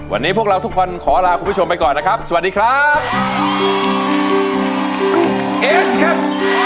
วันนี้พวกเราทุกคนขอลาคุณผู้ชมไปก่อนนะครับสวัสดีครับ